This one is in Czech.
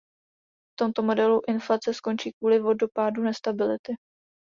V tomto modelu inflace končí kvůli "vodopádu" nestability.